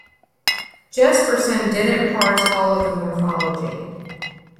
Jespersen didn't parse all of the morphology.